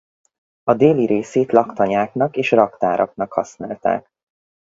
A déli részét laktanyáknak és raktáraknak használták.